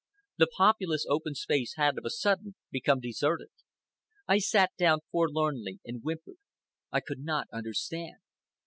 The populous open space had of a sudden become deserted. I sat down forlornly and whimpered. I could not understand.